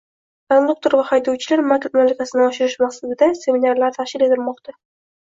Konduktor va haydovchilar malakasini oshirish maqsadida seminarlar tashkil etilmoqda